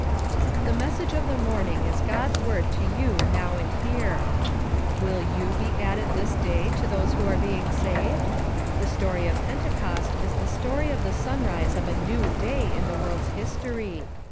"The message of the morning is God's word to you now and here. Will you he added this day to those who are being saved? The story of Pentecost is the story of the sunrise of a new day in the world's history.